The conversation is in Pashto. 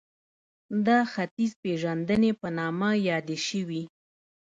دا ختیځپېژندنې په نامه یادې شوې